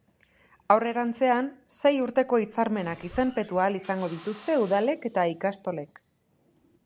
Aurrerantzean, sei urteko hitzarmenak izenpetu ahal izango dituzte udalek eta ikastolek.